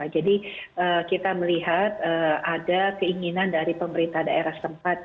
jadi kita melihat ada keinginan dari pemerintah daerah tempat